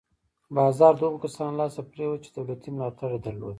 بازار د هغو کسانو لاس ته پرېوت چې دولتي ملاتړ یې درلود.